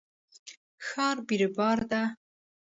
ښار بیروبار ده